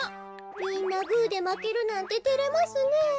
みんなグーでまけるなんててれますねえ。